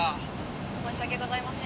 「申し訳ございません」